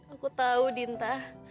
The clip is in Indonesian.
aku tahu dinta